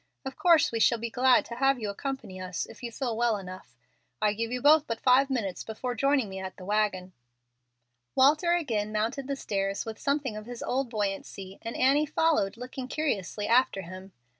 Of course we shall be glad to have you accompany us if you feel well enough. I give you both but five minutes before joining me at the wagon." Walter again mounted the stairs with something of his old buoyancy, and Annie followed, looking curiously after him.